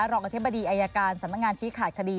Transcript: รองอธิบดีอายการสำนักงานชี้ขาดคดี